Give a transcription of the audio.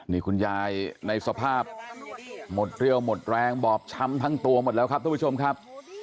นี่คุณยายในสภาพหมดเรี่ยวหมดแรงบอบช้ำทั้งตัวหมดแล้วครับทุกผู้ชมครับ